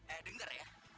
eh dengar ya